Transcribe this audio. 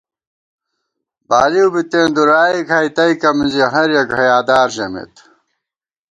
بالِؤ بِتېن دُرائے کھائی تئیکہ مِنزِی ہر یَک حیادار ژَمېت